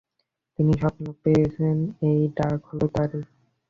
তিনি স্বপ্নে পেয়েছেন, এই ডাক হল তারই।